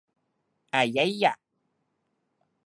อะไยหย่ะ